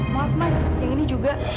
maaf mas yang ini juga